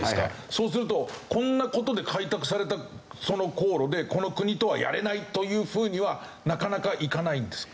そうするとこんな事で開拓された航路でこの国とはやれないというふうにはなかなかいかないんですか？